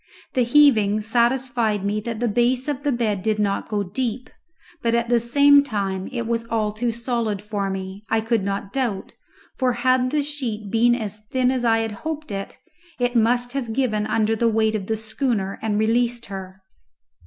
The heaving satisfied me that the base of the bed did not go deep, but at the same time it was all too solid for me, I could not doubt, for had the sheet been as thin as I had hoped it, it must have given under the weight of the schooner and released her.